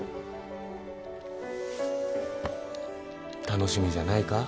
楽しみじゃないか？